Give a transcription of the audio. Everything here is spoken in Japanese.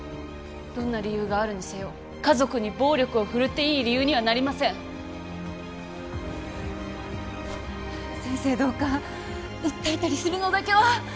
どんな理由があるにせよ家族に暴力を振るっていい理由にはなりません先生どうか訴えたりするのだけは！